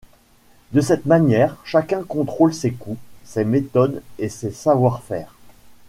De cette manière, chacun contrôle ses coûts, ses méthodes et ses savoir-faire.